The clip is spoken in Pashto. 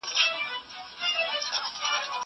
وَأَنجَيْنَا الَّذِينَ آمَنُوا وَكَانُوا يَتَّقُونَ.